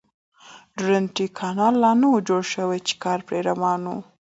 د درونټې کانال لا نه و جوړ شوی کار پرې روان و.